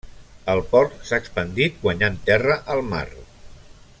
El port s'ha expandit guanyant terra al mar.